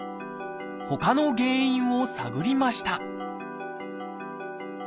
ほかの原因を探りました